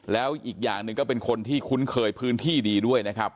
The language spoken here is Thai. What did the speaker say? แล้วอีกอย่างหนึ่งก็เป็นคนที่คุ้นเคยพื้นที่ดีด้วยนะครับ